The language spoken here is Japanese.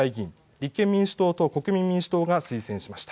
立憲民主党と国民民主党が推薦しました。